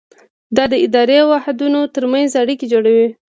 دا د اداري واحدونو ترمنځ اړیکې جوړوي.